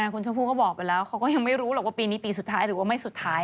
คุณชมพู่ก็บอกไปแล้วเขาก็ยังไม่รู้หรอกว่าปีนี้ปีสุดท้ายหรือว่าไม่สุดท้าย